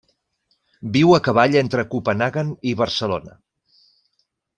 Viu a cavall entre Copenhaguen i Barcelona.